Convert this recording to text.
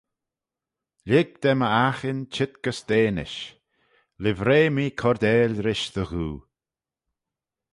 Lhig da my aghin cheet gys dt'enish: livrey mee cordail rish dty ghoo.